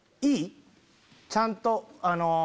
ちゃんと。